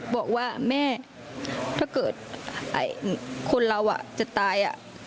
บอกว่าแม่ถ้าเกิดคนเราจะตาย